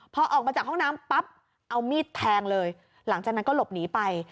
พอออกมาจากห้องน้ำปั๊บเอามีดแทงเลยหลังจากนั้นก็หลบหนีไป